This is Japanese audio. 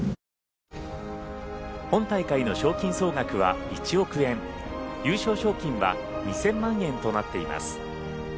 本大会の賞金総額は１億円優勝賞金は２０００万円となっています。